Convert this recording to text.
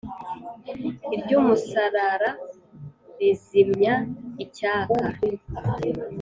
iry'umusarara rizimya icyaka